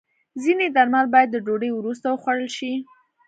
ځینې درمل باید د ډوډۍ وروسته وخوړل شي.